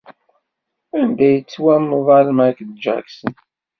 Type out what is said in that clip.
Anda yettwamḍel Michael Jackson?